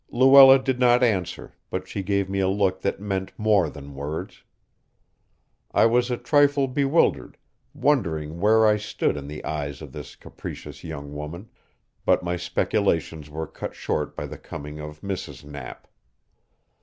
Luella did not answer, but she gave me a look that meant more than words. I was a trifle bewildered, wondering where I stood in the eyes of this capricious young woman, but my speculations were cut short by the coming of Mrs. Knapp.